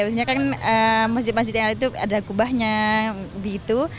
maksudnya kan masjid masjid yang ada itu ada kubahnya gitu